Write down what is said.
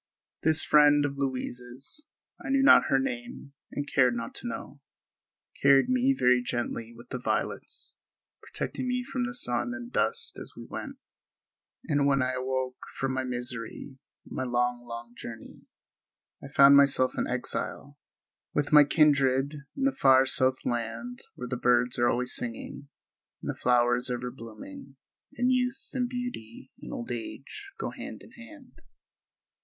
This friend of Louise's, I knew not her name and cared not to know, carried me very gently with the violets, protecting me from the sun and dust as we went; and when I awoke from my misery and my long, long journey, I found myself an exile, with my kindred, in the far south land where the birds are always singing, and the flowers are ever blooming, and youth and beauty and old age go hand in hand.